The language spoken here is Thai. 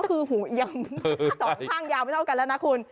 อร่างยาวไม่เท่ากันเหรอคุณ